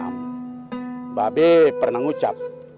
bang robby pernah ngucap